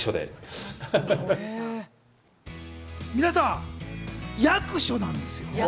皆さん、役所なんですよ。